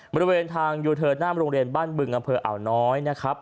บริเวณทางยูเทิดหน้ามโรงเรนบ้านบึงอำเภออ่านน้อย